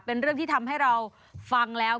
เป็นเรื่องที่ทำให้เราฟังแล้ว